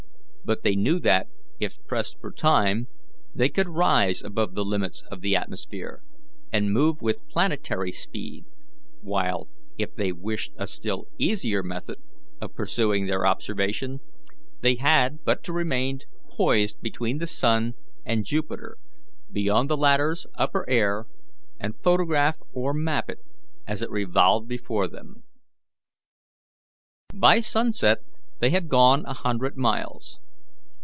But they knew that, if pressed for time, they could rise above the limits of the atmosphere, and move with planetary speed; while, if they wished a still easier method of pursuing their observation, they had but to remain poised between the sun and Jupiter, beyond the latter's upper air, and photograph or map it as it revolved before them. By sunset they had gone a hundred miles.